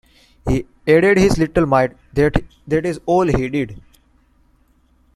He added his little mite - that is all he did.